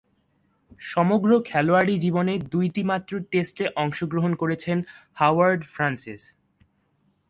সমগ্র খেলোয়াড়ী জীবনে দুইটিমাত্র টেস্টে অংশগ্রহণ করেছেন হাওয়ার্ড ফ্রান্সিস।